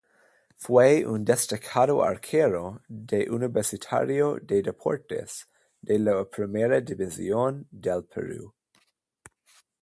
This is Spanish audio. Fue un destacado arquero de Universitario de Deportes de la Primera División del Perú.